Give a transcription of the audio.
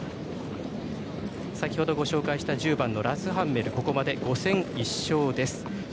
先ほどご紹介した、１０番のラスハンメルここまで５戦１勝です。